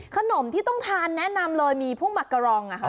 ขนมที่ต้องทานแนะนำเลยมีพวกหมักกะรอง